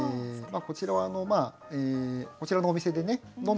こちらはこちらのお店でねのん